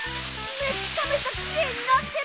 めちゃめちゃきれいになってる！